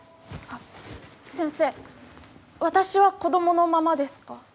先生私は子供のままですか？